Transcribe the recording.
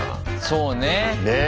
そうねえ。